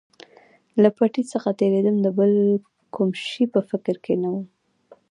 له پټۍ څخه تېرېدم، د بل کوم شي په فکر کې نه ووم.